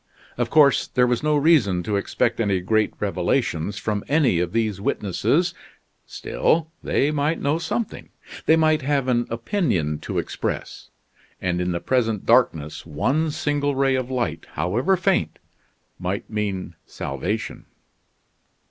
Of course, there was no reason to expect any great revelations from any of these witnesses, still they might know something, they might have an opinion to express, and in the present darkness one single ray of light, however faint, might mean salvation.